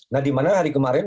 nah dimana hari kemarin